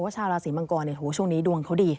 ชาวราศีมังกรช่วงนี้ดวงเขาดี